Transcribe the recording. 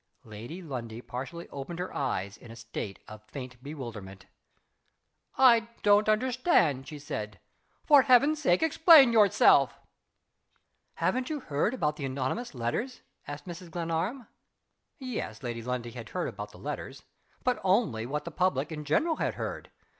Lady Lundie partially opened her eyes in a state of faint bewilderment. "I don't understand," she said. "For Heaven's sake explain yourself!" "Haven't you heard about the anonymous letters?" asked Mrs. Glenarm. Yes. Lady Lundie had heard about the letters. But only what the public in general had heard.